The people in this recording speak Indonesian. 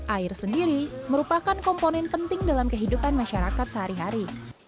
air sendiri merupakan komponen penting dalam kehidupan masyarakat sehari hari